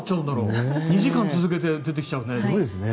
２時間続けて出てきちゃうね。